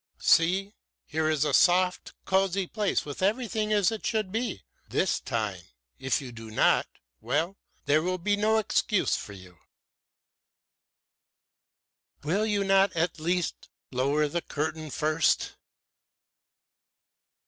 "See! Here is a soft, cosy place, with everything as it should be. This time, if you do not well, there will be no excuse for you." "Will you not at least lower the curtain first?"